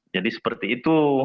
jadi seperti itu